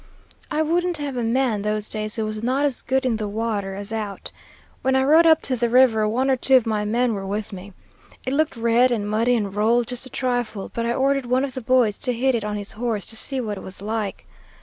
I wouldn't have a man those days who was not as good in the water as out. When I rode up to the river, one or two of my men were with me. It looked red and muddy and rolled just a trifle, but I ordered one of the boys to hit it on his horse, to see what it was like.